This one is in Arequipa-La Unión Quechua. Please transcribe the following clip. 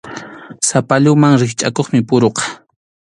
Sapalluman rikchʼakuqmi puruqa.